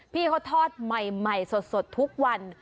พี่เขาทอดใหม่สดทุกวัน